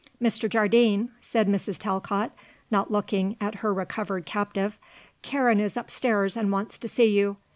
"Mr. Jardine," said Mrs. Talcott, not looking at her recovered captive, "Karen is upstairs and wants to see you.